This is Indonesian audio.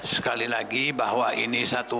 sekali lagi bahwa ini satu